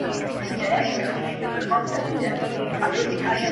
• راوړې فریسو یې د تن خاوره له باګرامه,